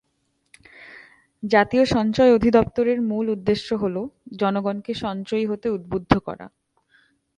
জাতীয় সঞ্চয় অধিদপ্তরের মূল উদ্দেশ্য হলো জনগণকে সঞ্চয়ী হতে উদ্বুদ্ধ করা।